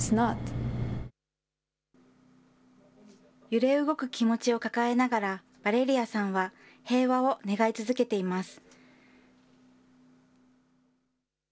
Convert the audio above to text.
揺れ動く気持ちを抱えながら、ヴァレリアさんは、平和を願い続けています。